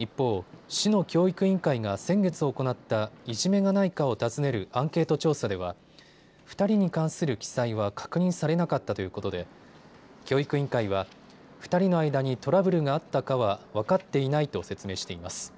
一方、市の教育委員会が先月行った、いじめがないかを尋ねるアンケート調査では２人に関する記載は確認されなかったということで教育委員会は２人の間にトラブルがあったかは分かっていないと説明しています。